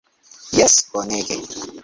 Jes! Bonege.